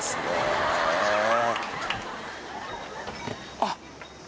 あっ。